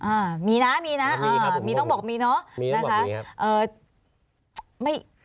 อ่ะมีนะมีนะมีต้องบอกมีเนาะ